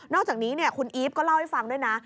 อกจากนี้คุณอีฟก็เล่าให้ฟังด้วยนะ